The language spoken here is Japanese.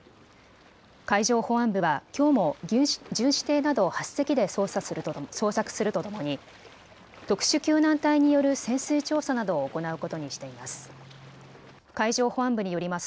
海上保安部はきょうも巡視艇など８隻で捜索するとともに特殊救難隊による潜水調査などを行うことにしています。